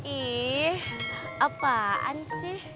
ih apaan sih